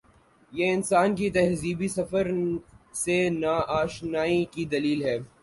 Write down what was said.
یہ انسان کے تہذیبی سفر سے نا آ شنائی کی دلیل ہے۔